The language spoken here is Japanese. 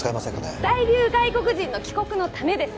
在留外国人の帰国のためです